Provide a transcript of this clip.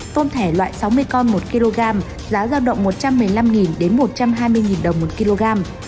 tôm thẻ loại sáu mươi con một kg giá giao động một trăm một mươi năm đến một trăm hai mươi đồng một kg